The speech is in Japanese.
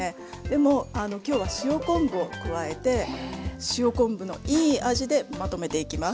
でも今日は塩昆布を加えて塩昆布のいい味でまとめていきます。